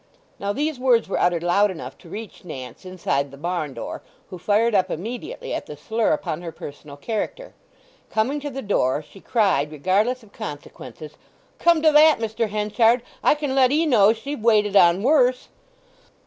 Now these words were uttered loud enough to reach Nance inside the barn door, who fired up immediately at the slur upon her personal character. Coming to the door she cried regardless of consequences, "Come to that, Mr. Henchard, I can let 'ee know she've waited on worse!"